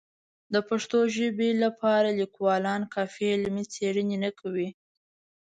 د پښتو ژبې لپاره لیکوالان کافي علمي څېړنې نه کوي.